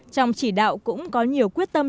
trong chỉ đạo cũng có nhiều quyết tâm